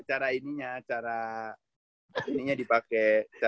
cara ininya cara ini dipake